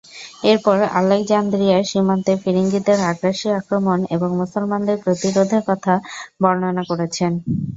এরপর আলেকজান্দ্রিয়া সীমান্তে ফিরিঙ্গীদের আগ্রাসী আক্রমণ এবং মুসলমানদের প্রতিরোধের কথা বর্ণনা করেছেন।